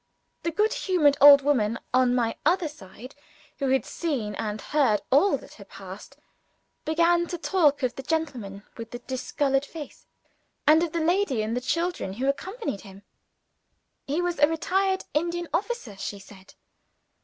The good humoured old woman, on my other side, who had seen and heard all that had passed, began to talk of the gentleman with the discolored face, and of the lady and the children who accompanied him. He was a retired Indian officer, she said.